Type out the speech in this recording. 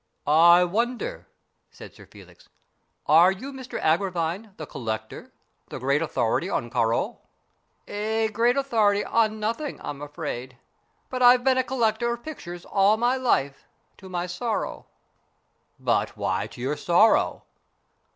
" I wonder," said Sir Felix, " are you Mr Agra vine, the collector, the great authority on Corot ?" "A great authority on nothing, I'm afraid. But I've been a collector of pictures all my life, to my sorrow." " But why to your sorrow